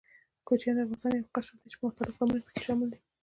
کوچيان د افغانستان يو قشر ده، چې مختلف قومونه پکښې شامل دي.